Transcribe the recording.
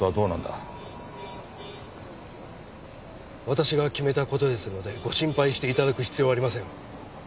私が決めた事ですのでご心配して頂く必要はありません。